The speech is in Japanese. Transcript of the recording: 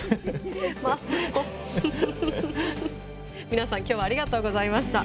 皆さん今日はありがとうございました。